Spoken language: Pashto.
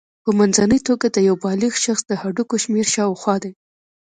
په منځنۍ توګه د یو بالغ شخص د هډوکو شمېر شاوخوا دی.